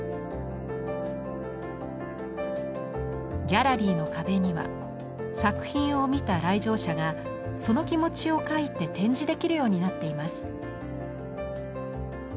ギャラリーの壁には作品を見た来場者がその気持ちを描いて展示できるようになっています。